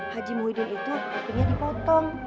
haji muhyiddin itu apinya dipotong